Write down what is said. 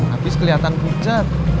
abis kelihatan pujat